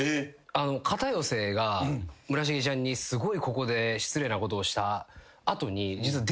片寄が村重ちゃんにすごいここで失礼なことをした後に実は。